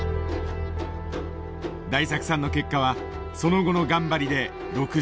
大作さんの結果はその後の頑張りで６７羽。